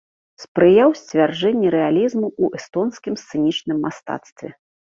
Спрыяў сцвярджэнні рэалізму ў эстонскім сцэнічным мастацтве.